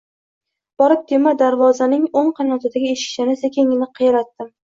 Borib, temir darvozaning o‘ng qanotidagi eshikchani sekingina qiyalatdim